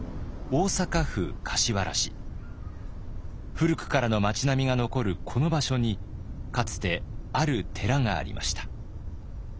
古くからの町並みが残るこの場所にかつてある寺がありました。